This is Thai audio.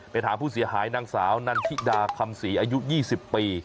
ถามผู้เสียหายนางสาวนันทิดาคำศรีอายุ๒๐ปี